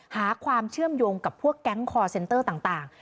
หาความเชื่อมโยงกับพวกแก๊งคอร์เซ็นเตอร์ต่าง